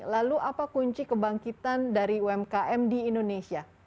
lalu apa kunci kebangkitan dari umkm di indonesia